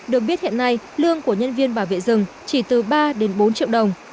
được biết hiện nay lương của nhân viên bảo vệ rừng chỉ từ ba đến bốn triệu đồng